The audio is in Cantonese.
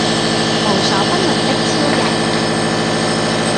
無所不能的超人